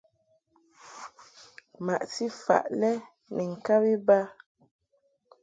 Maʼti faʼ lɛ ni ŋkab iba.